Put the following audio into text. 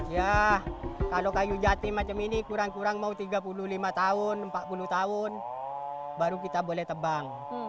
ya kalau kayu jatim macam ini kurang kurang mau tiga puluh lima tahun empat puluh tahun baru kita boleh tebang